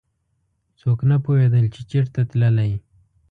څوک نه پوهېدل چې چېرته تللی.